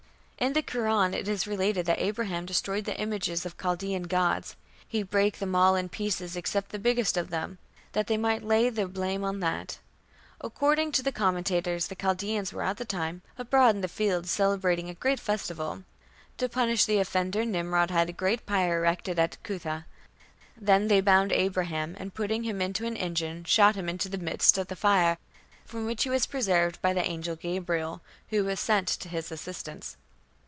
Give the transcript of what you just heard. In the Koran it is related that Abraham destroyed the images of Chaldean gods; he "brake them all in pieces except the biggest of them; that they might lay the blame on that". According to the commentators the Chaldaeans were at the time "abroad in the fields, celebrating a great festival". To punish the offender Nimrod had a great pyre erected at Cuthah. "Then they bound Abraham, and putting him into an engine, shot him into the midst of the fire, from which he was preserved by the angel Gabriel, who was sent to his assistance."